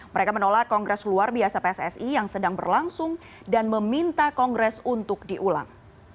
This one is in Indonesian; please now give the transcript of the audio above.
mereka menolak kongres luar biasa pssi yang sedang berlangsung dan meminta kongres untuk diulang